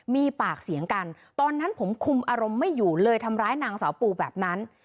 มีปากเสียงกันตอนนั้นผมคุมอารมณ์ไม่อยู่เลยทำร้ายนางสาวปูแบบนั้น